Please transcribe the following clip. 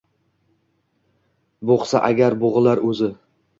Boʻgʻsa agar, boʻgʻilar oʻzi